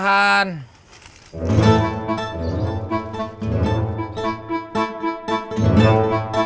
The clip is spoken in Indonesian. antar ke keluarga